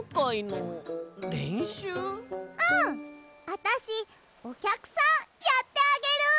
あたしおきゃくさんやってあげる。